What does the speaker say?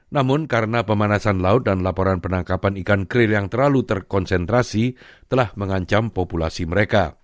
namun karena pemanasan laut dan laporan penangkapan ikan kril yang terlalu terkonsentrasi telah mengancam populasi mereka